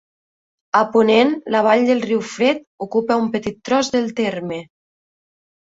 A ponent, la vall del Riu Fred ocupa un petit tros del terme.